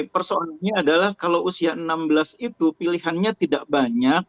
persoalannya adalah kalau usia enam belas itu pilihannya tidak banyak